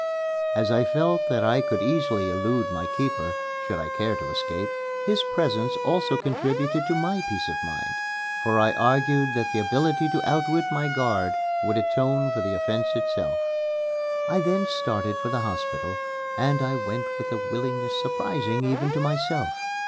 As I felt that I could easily elude my keeper, should I care to escape, his presence also contributed to my peace of mind, for I argued that the ability to outwit my guard would atone for the offence itself. I then started for the hospital; and I went with a willingness surprising even to myself.